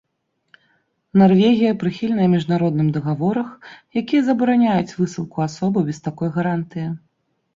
Нарвегія прыхільная міжнародным дагаворах, якія забараняюць высылку асобы без такой гарантыі.